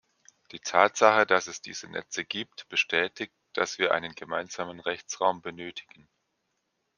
Die Tatsache, dass es diese Netze gibt, bestätigt, dass wir einen gemeinsamen Rechtsraum benötigen.